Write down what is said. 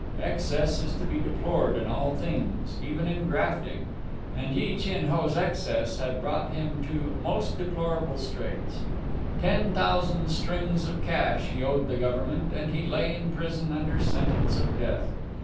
Excess is to be deplored in all things, even in grafting, and Yi Chin Ho's excess had brought him to most deplorable straits. Ten thousand strings of cash he owed the government, and he lay in prison under sentence of death.